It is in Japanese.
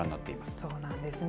そうなんですね。